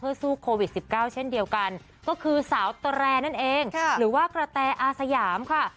สู้โควิด๑๙เช่นเดียวกันก็คือสาวแตรนั่นเองหรือว่ากระแตอาสยามค่ะ